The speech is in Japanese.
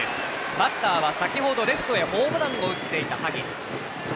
バッターは先ほどレフトへホームランを打っていた萩。